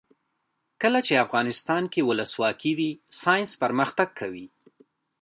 کله چې افغانستان کې ولسواکي وي ساینس پرمختګ کوي.